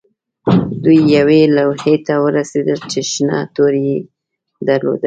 دوی یوې لوحې ته ورسیدل چې شنه توري یې درلودل